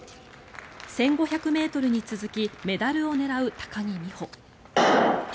１５００ｍに続きメダルを狙う高木美帆。